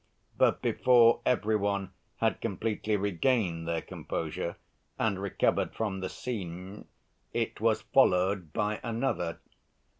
But before every one had completely regained their composure and recovered from this scene, it was followed by another.